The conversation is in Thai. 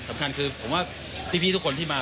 สำคัญคือผมว่าพี่ทุกคนที่มา